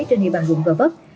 trên hệ bàn quận gò vấp